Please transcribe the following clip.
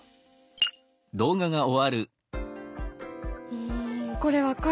うんこれ分かる。